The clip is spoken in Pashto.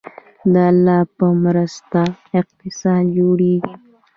د الله په مرسته اقتصاد جوړیږي